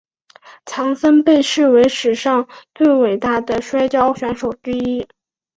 强森被视为史上最伟大的摔角选手之一。